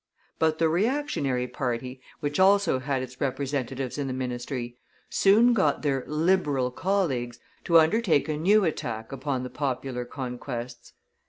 But the reactionary party, which also had its representatives in the ministry, soon got their "Liberal" colleagues to undertake a new attack upon the popular conquests.